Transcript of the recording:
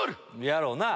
やろうな。